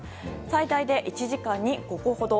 最大で１時間に５個ほど。